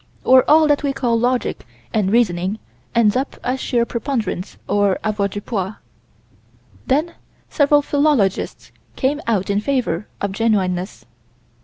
Or all that we call logic and reasoning ends up as sheer preponderance of avoirdupois. Then several philologists came out in favor of genuineness.